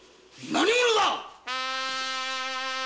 何者だ！